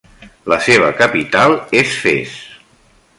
La seva capital és Fes.